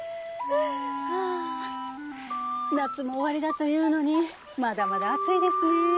はあ夏も終わりだというのにまだまだ暑いですねえ。